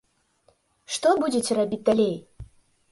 Што будзеце рабіць далей?